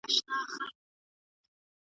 هغه وایي چي له خونکار پاچا څخه وتښته.